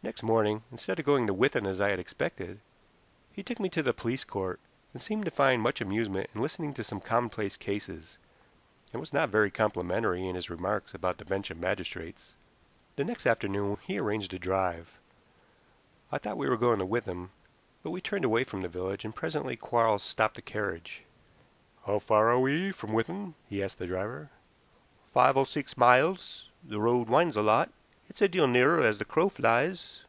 Next morning, instead of going to Withan as I had expected, he took me to the police court, and seemed to find much amusement in listening to some commonplace cases, and was not very complimentary in his remarks about the bench of magistrates. The next afternoon he arranged a drive. I thought we were going to Withan, but we turned away from the village, and presently Quarles stopped the carriage. "How far are we from Withan?" he asked the driver. "Five or six miles. The road winds a lot. It's a deal nearer as the crow flies."